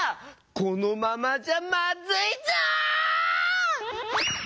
このままじゃまずいぞ！